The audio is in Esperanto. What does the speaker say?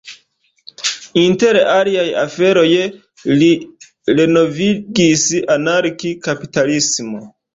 Inter aliaj aferoj, li renovigis anarki-kapitalismon.